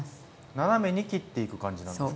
斜めに切っていく感じなんですか。